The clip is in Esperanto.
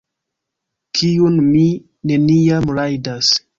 Kiun mi neniam rajdas